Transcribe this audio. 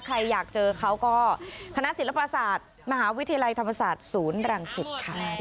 ใครอยากเจอเขาก็คณะศิลปศาสตร์มหาวิทยาลัยธรรมศาสตร์ศูนย์รังสิตค่ะ